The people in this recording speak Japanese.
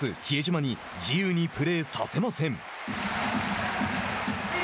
宇都宮のエース比江島に自由にプレーさせません。